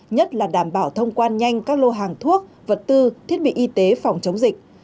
nhất là đảm bảo thông quan nhanh các lô hàng thuốc vật tư thiết bị y tế phòng chống dịch